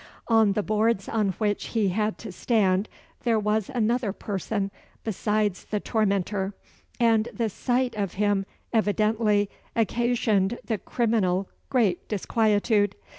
On the boards on which he had to stand, there was another person besides the tormentor, and the sight of him evidently occasioned the criminal great disquietude.